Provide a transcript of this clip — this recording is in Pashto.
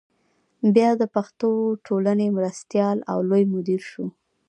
بیا د پښتو ټولنې مرستیال او لوی مدیر شو.